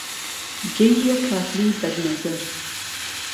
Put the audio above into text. گهییه کافری بهدنەزەر